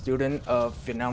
của đại học việt nam